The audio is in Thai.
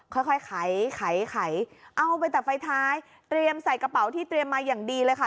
ค่อยค่อยไขเอาไปแต่ไฟท้ายเตรียมใส่กระเป๋าที่เตรียมมาอย่างดีเลยค่ะ